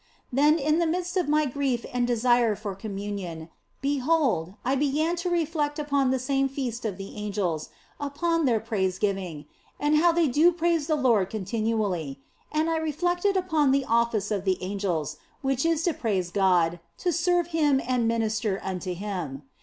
Then, in the midst of my grief and desire for Com munion, behold, I began to reflect upon that same Feast of the Angels, upon their praise giving, and how they do praise the Lord continually ; and I reflected upon the office of the angels, which is to praise God, to serve Him and minister unto Him.